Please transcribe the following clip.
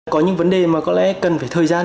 có những vấn đề mà có lẽ cần phải thời gian